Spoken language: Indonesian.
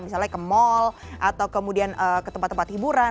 misalnya ke mal atau kemudian ke tempat tempat hiburan